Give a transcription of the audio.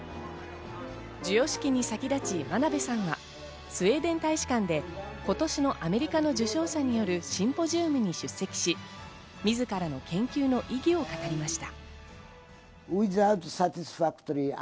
授与式に先立ち、真鍋さんはスウェーデン大使館で今年のアメリカの受賞者によるシンポジウムに出席し、自らの研究の意義を語りました。